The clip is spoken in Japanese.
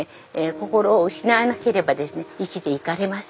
心を失わなければですね生きていかれます。